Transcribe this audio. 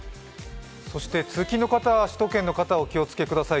そして通勤の方、首都圏の方はお気を付けください。